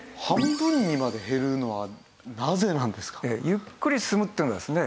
ゆっくり進むっていうのはですね